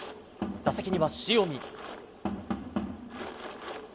打席には塩見。